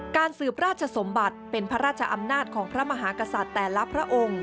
สืบราชสมบัติเป็นพระราชอำนาจของพระมหากษัตริย์แต่ละพระองค์